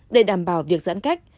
để đảm bảo việc giãn cách